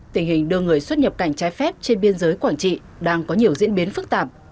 tình hình đưa người xuất nhập cảnh trái phép trên biên giới quảng trị đang có nhiều diễn biến phức tạp